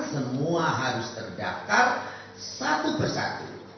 semua harus terdaftar satu persatu